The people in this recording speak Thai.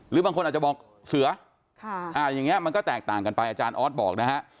บางคนอาจจะบอกเสืออย่างนี้มันก็แตกต่างกันไปอาจารย์ออสบอกนะฮะ